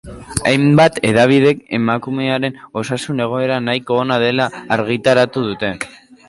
Hainbat hedabidek emakumearen osasun egoera nahiko ona dela argitaratu dute.